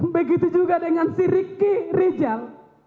begitu juga dengan si riki rijal